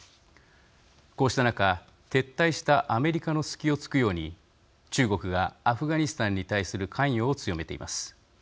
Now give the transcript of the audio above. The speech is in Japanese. こうした中、撤退したアメリカの隙を突くように中国がアフガニスタンに対する関与を強めています。